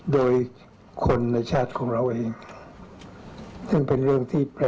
ได้ครับ